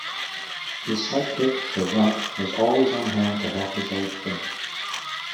His sidekick, the Runt, was always on hand to help his old friend.